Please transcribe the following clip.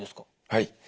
はい。